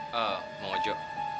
ah bang ojo